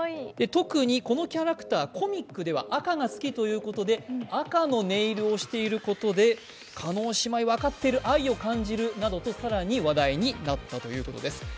特にこのキャラクター、コミックでは赤が好きということで赤のネイルをしていることで、叶姉妹分かっている愛を感じるなどと更に話題になったということです。